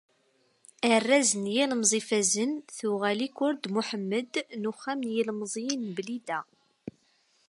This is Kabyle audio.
Arraz n yilemẓi ifazen tuɣal i Kurd Muḥemmed n uxxam n yilemẓiyen n Blida.